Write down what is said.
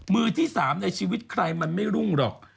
มือที่๓ในชีวิตใครมันไม่รุ่งหรอก